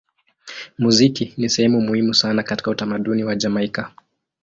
Muziki ni sehemu muhimu sana katika utamaduni wa Jamaika.